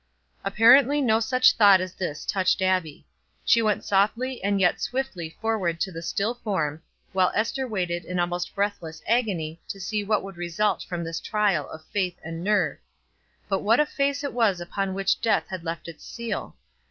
Apparently no such thought as this touched Abbie. She went softly and yet swiftly forward to the still form, while Ester waited in almost breathless agony to see what would result from this trial of faith and nerve; but what a face it was upon which death had left its seal!